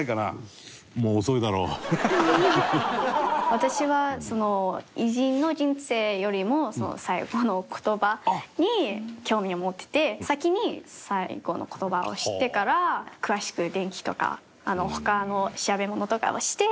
私は偉人の人生よりも最期の言葉に興味を持ってて先に最期の言葉を知ってから詳しく伝記とか他の調べ物とかをして。